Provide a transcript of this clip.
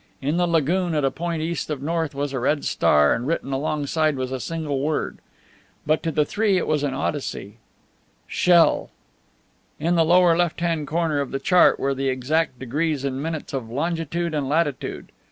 In the lagoon at a point east of north was a red star, and written alongside was a single word. But to the three it was an Odyssey "Shell." In the lower left hand corner of the chart were the exact degrees and minutes of longitude and latitude.